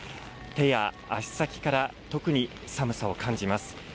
手や足先から特に寒さを感じます。